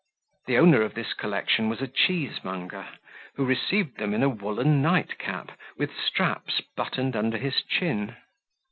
The owner of this collection was a cheesemonger, who received them in a woollen nightcap, with straps buttoned under his chin.